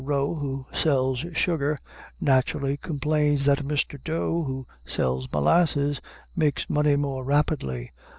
Roe, who sells sugar, naturally complains that Mr. Doe, who sells molasses, makes money more rapidly.